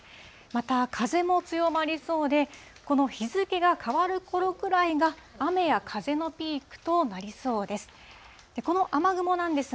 また、風も強まりそうで、この日付が変わるころぐらいが、雨や風のピークとなりそうです。